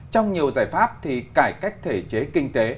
trong nhiều giải pháp thì cải cách thể chế kinh tế